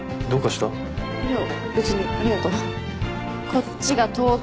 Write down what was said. こっちが東京の。